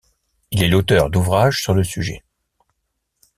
Il est l'auteur d'ouvrages sur le sujet.